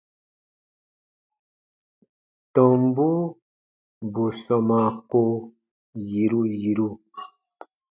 Tɔmbu bù sɔmaa ko yiru yiru.